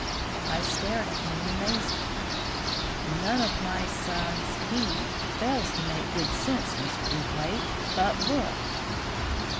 I stared at him in amazement. "'None of my sons he' fails to make good sense, Mr. Outhwaite. But look!"